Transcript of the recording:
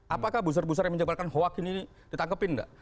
apakah busur busur yang menyebarkan hoax ini ditangkepin nggak